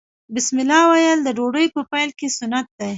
بسم الله ویل د ډوډۍ په پیل کې سنت دي.